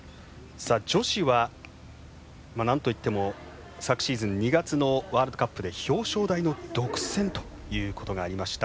女子はなんといっても昨シーズン２月のワールドカップで表彰台の独占ということがありました。